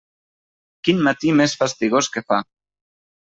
Quin matí més fastigós que fa!